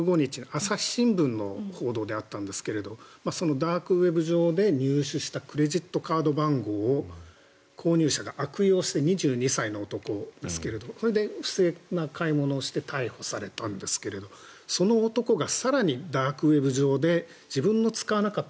朝日新聞の報道であったんですがダークウェブ上で入手したクレジットカード番号を購入者が悪用して２２歳の男ですけどもそれで不正な買い物をして逮捕されたんですがその男が更にダークウェブ上で自分の使わなかった